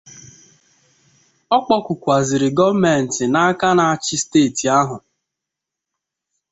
Ọ kpọkukwazịrị gọọmenti na aka na-achị steeti ahụ